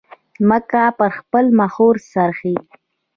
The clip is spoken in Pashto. مځکه پر خپل محور څرخي.